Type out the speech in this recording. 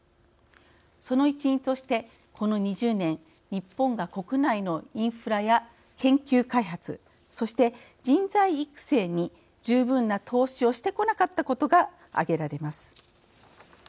その一因としてこの２０年、日本が国内のインフラや研究開発そして人材育成に十分な投資をしてこなかったことが挙げられます。